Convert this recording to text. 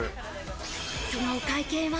そのお会計は？